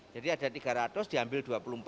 jadi ada tiga ratus diambil dua puluh empat